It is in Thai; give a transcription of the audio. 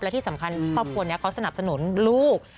และที่สำคัญครอบครัวนี้เขาสนับสนุนลูก